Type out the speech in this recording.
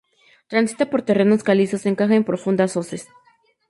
Transita por terrenos calizos y se encaja en profundas hoces.